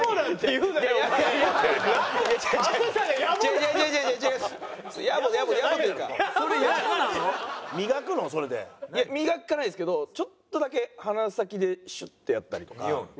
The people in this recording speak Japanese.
いや磨かないですけどちょっとだけ鼻先でシュッてやったりとか。